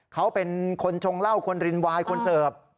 เขาเป็นคนชงเหล้าคนรินวายคนเสิร์ฟ